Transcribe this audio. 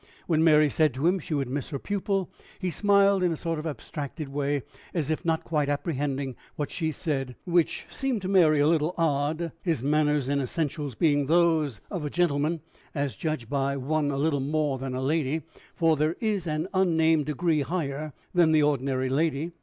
When Mary said to him she would miss her pupil, he smiled in a sort of abstracted way, as if not quite apprehending what she said, which seemed to Mary a little odd, his manners in essentials being those of a gentleman, as judged by one a little more than a lady; for there is an unnamed degree higher than the ordinary lady.